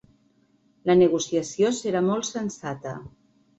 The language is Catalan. La negociació serà molt sensata.